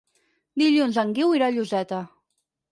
Dilluns en Guiu irà a Lloseta.